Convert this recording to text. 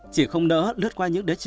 chị không nỡ lướt qua những đứa trẻ mổ côi